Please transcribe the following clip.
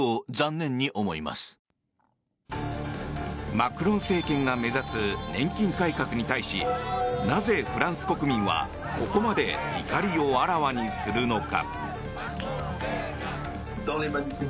マクロン政権が目指す年金改革に対しなぜ、フランス国民はここまで怒りをあらわにするのか。